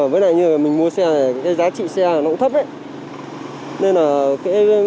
với lại như là mình mua xe này cái giá trị xe nó cũng thấp ấy